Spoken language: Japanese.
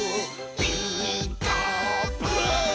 「ピーカーブ！」